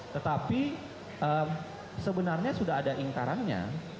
tetapi sebenarnya sudah ada ingkarannya